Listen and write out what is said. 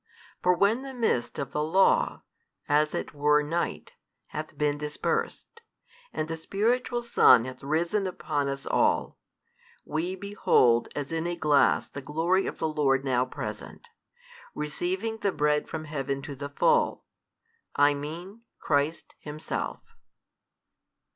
For when the mist of the Law, as it were night, hath been dispersed, and the spiritual Sun hath risen upon us all, we behold as in a glass the glory of the Lord now present, receiving the Bread from heaven to the full, I mean Christ Himself.